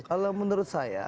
kalau menurut saya